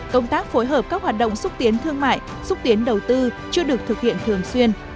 công tác phối hợp các hoạt động xúc tiến thương mại xúc tiến đầu tư chưa được thực hiện thường xuyên